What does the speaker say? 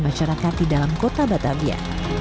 dan kebutuhan masyarakat di dalam kota batavia